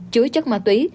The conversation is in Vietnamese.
chứa chất ma túy